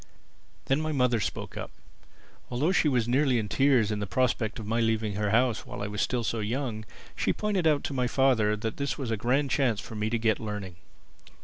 Then my mother spoke up. Although she was nearly in tears at the prospect of my leaving her house while I was still so young, she pointed out to my father that this was a grand chance for me to get learning.